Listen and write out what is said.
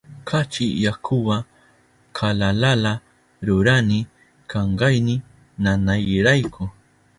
Kachi yakuwa kalalala rurani kunkayni nanayrayku.